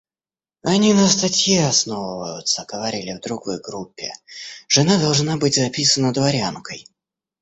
Они на статье основываются, — говорили в другой группе, — жена должна быть записана дворянкой.